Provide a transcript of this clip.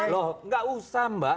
loh nggak usah mbak